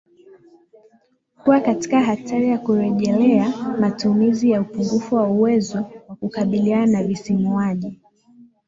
kuwa katika hatari ya kurejelea matumizi na upungufu wa uwezo wa kukabiliana na visisimuaji